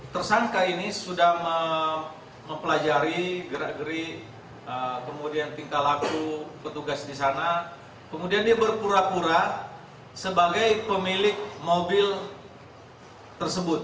tersangka ini sudah mempelajari gerak gerik kemudian tingkah laku petugas di sana kemudian dia berpura pura sebagai pemilik mobil tersebut